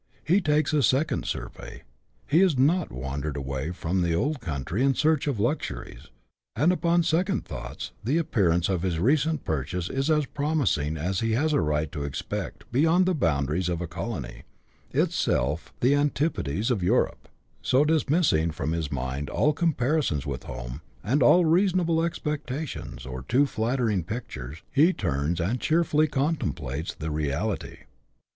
He takes a second survey. He has not wandered away from the old country in search of luxuries ; and, upon second thoughts, the appearance of his recent purchase is as promising as he has a right to expect beyond the boundaries of a colony, itself the antipodes of Europe ; so, dismissing from his mind all comparisons with home, and all unreasonable expectations or too flattering pictures, he turns and cheerfully contemplates the reality.